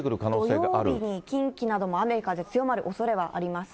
土曜日などに近畿などは雨風強まるおそれがあります。